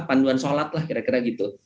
panduan sholat lah kira kira gitu